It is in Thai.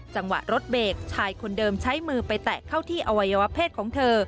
จังหวะรถเบรกชายคนเดิมใช้มือไปแตะเข้าที่อวัยวะเพศของเธอ